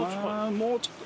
もうちょっと。